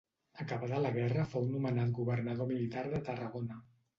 Acabada la guerra fou nomenat governador militar de Tarragona.